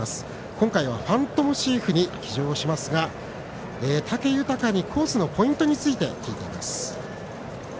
今回はファントムシーフに騎乗しますが武豊にコースのポイントについて聞いています。